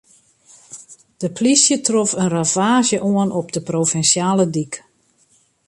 De polysje trof in ravaazje oan op de provinsjale dyk.